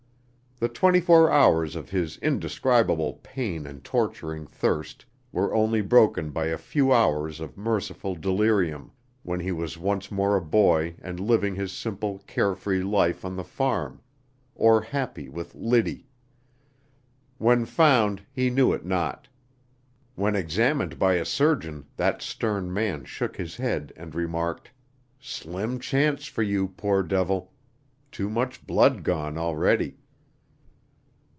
The twenty four hours of his indescribable pain and torturing thirst were only broken by a few hours of merciful delirium, when he was once more a boy and living his simple, care free life on the farm, or happy with Liddy. When found he knew it not. When examined by a surgeon that stern man shook his head and remarked: "Slim chance for you, poor devil too much blood gone already!"